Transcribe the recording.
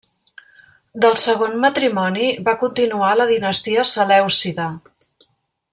Del segon matrimoni va continuar la dinastia selèucida.